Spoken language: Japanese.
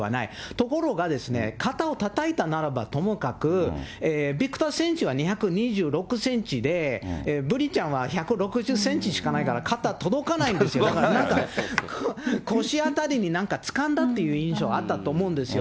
ところがですね、肩をたたいたならばともかく、ビクター選手は２２６センチで、ブリちゃんは１６０センチしかないから、肩届かないんですよ、だからなんか腰辺りに、何かつかんだっていう印象あったと思うんですよ。